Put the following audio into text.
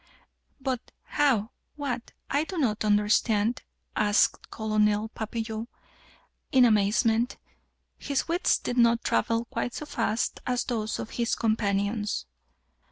"But how what I do not understand," asked Colonel Papillon in amazement. His wits did not travel quite so fast as those of his companions.